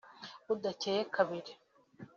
Budakeye kabiri